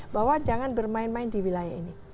bahwa jangan bermain main di wilayah ini